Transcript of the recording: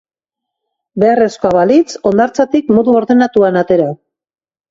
Beharrezkoa balitz, hondartzatik modu ordenatuan atera.